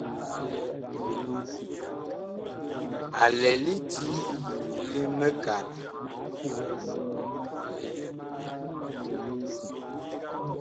A lɛ lidi li mikala.